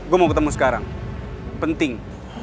gue mau ketemu sekarang penting